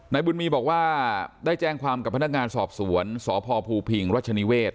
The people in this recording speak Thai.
บุญมีบอกว่าได้แจ้งความกับพนักงานสอบสวนสพภูพิงรัชนิเวศ